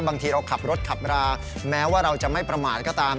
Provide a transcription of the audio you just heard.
บางทีเราขับรถขับราแม้ว่าเราจะไม่ประมาทก็ตาม